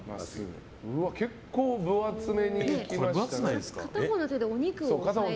結構分厚めにいきましたね。